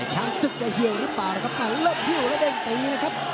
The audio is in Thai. ช้างสึกจะเฮียวรึเปล่าครับว่ามันเริ่มเฮียวแล้วเดินไปดีนะครับ